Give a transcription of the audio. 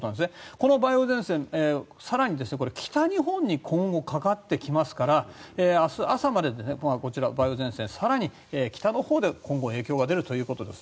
この梅雨前線は更に北日本にかかってきますから明日朝までに梅雨前線、更に北のほうで今後影響が出るということです。